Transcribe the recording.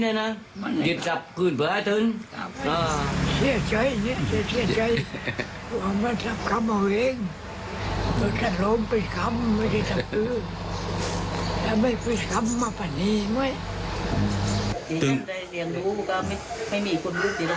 เลี้ยงหนูว่าก็ไม่มีคุณผู้ที่จะโดนทำราภาระ